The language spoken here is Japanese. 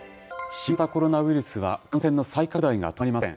新型コロナウイルスは感染の再拡大が止まりません。